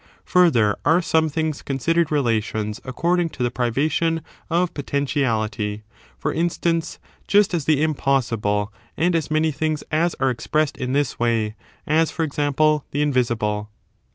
Further, are some things considered relations according to the privation of potentiality; for instance, just as the im possible, and as many things as are expressed in this way : as, for example, the invisible.